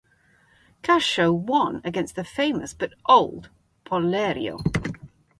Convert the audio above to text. Cascio won against the famous but old Polerio.